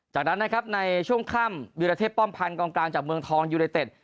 จากนั้นนะครับในช่วงค่ำยูระเทศป้อมพันธุ์กลางจากเมืองท้องยูระเทศ